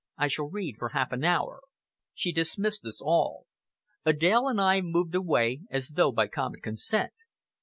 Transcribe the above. I shall read for half an hour." She dismissed us all. Adèle and I moved away as though by common consent.